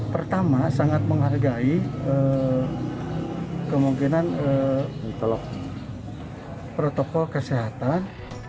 pertama sangat menghargai kemungkinan protokol kesehatan